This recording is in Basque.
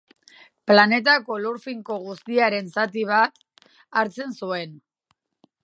Planetako lur finko guztiaren zati handi bat hartzen zuen.